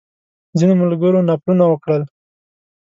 ځینو ملګرو نفلونه وکړل.